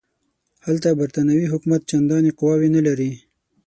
هلته برټانوي حکومت چنداني قواوې نه لري.